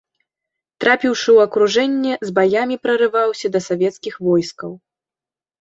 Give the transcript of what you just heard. Трапіўшы ў акружэнне, з баямі прарываўся да савецкіх войскаў.